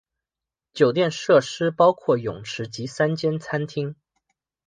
酒店设施包括泳池及三间餐厅。